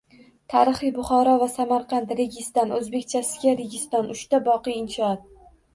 — Tarixiy Buxoro va Samarqand, Registan — oʻzbekchasiga Registon, uchta boqiy inshoot...